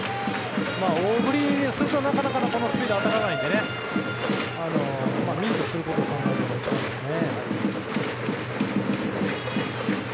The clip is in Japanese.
大振りすると、なかなかこのスピードは当たらないのでミートすることを考えるのが一番いいですね。